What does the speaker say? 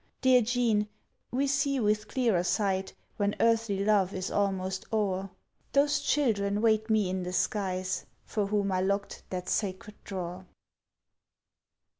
Dear Jean, we see with clearer sight When earthly love is almost o'er; Those children wait me in the skies, For whom I locked that sacred drawer."